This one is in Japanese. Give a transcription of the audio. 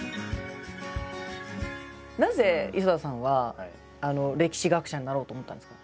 なぜ磯田さんは歴史学者になろうと思ったんですか？